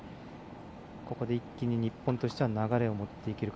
ここで一気に日本としては流れを持っていけるか。